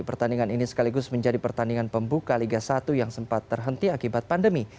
pertandingan ini sekaligus menjadi pertandingan pembuka liga satu yang sempat terhenti akibat pandemi